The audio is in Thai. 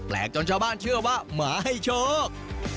จนชาวบ้านเชื่อว่าหมาให้โชค